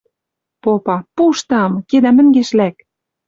Попа: пуштам! Ке дӓ мӹнгеш лӓк!